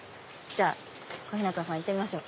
小日向さん行ってみましょう。